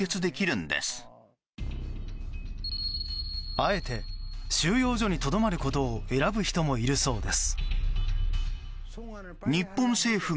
あえて収容所にとどまることを選ぶ人もいるそうです。